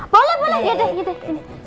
boleh boleh ya deh ya deh